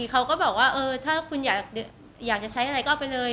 เขาก็บอกว่าถ้าคุณอยากจะใช้อะไรก็เอาไปเลย